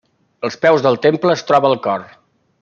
Als peus del temple es troba el cor.